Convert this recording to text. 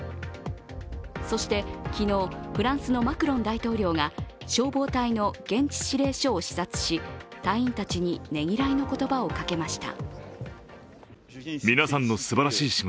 そして昨日、フランスのマクロン大統領が消防隊の現地指令所を視察し隊員たちにねぎらいの言葉をかけました。